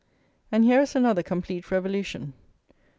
And here is another complete revolution.